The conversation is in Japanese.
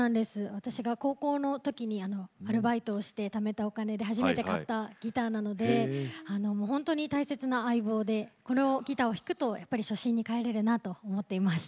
私が高校の時にアルバイトをしてためたお金で初めて買ったギターなのでほんとに大切な相棒でこのギターを弾くとやっぱり初心に返れるなと思っています。